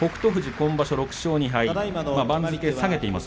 今場所６勝２敗です。